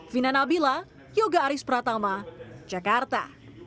vina nabila yoga aris pratama jakarta